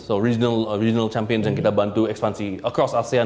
so regional champions yang kita bantu ekspansi across asean